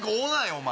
お前。